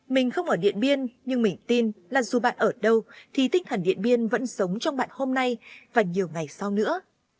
mình không ở điện biên nhưng mình tin là dù bạn ở đâu thì tinh thần điện biên vẫn sống trong bạn hôm nay và nhiều ngày sau nữa